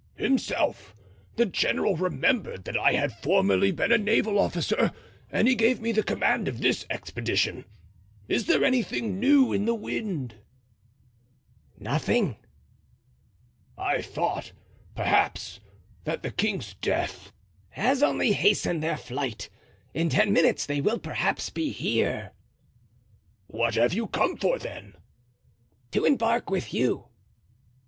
"Himself. The general remembered that I had formerly been a naval officer and he gave me the command of this expedition. Is there anything new in the wind?" "Nothing." "I thought, perhaps, that the king's death——" "Has only hastened their flight; in ten minutes they will perhaps be here." "What have you come for, then?" "To embark with you."